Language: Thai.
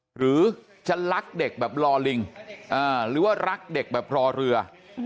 หรือจะรักเด็กแบบรอลิงหรือว่ารักเด็กแบบรอเรือ